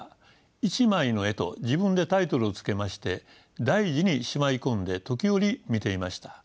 「一枚の絵」と自分でタイトルを付けまして大事にしまい込んで時折見ていました。